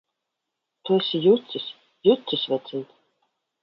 Tu esi jucis! Jucis, vecīt!